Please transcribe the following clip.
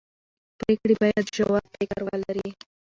پرېکړې باید ژور فکر ولري